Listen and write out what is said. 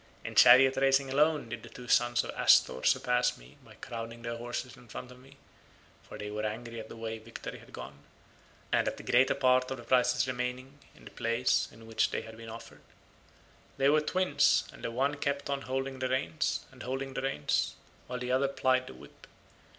In chariot racing alone did the two sons of Actor surpass me by crowding their horses in front of me, for they were angry at the way victory had gone, and at the greater part of the prizes remaining in the place in which they had been offered. They were twins, and the one kept on holding the reins, and holding the reins, while the other plied the whip.